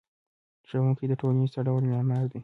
ښوونکی د ټولنې څه ډول معمار دی؟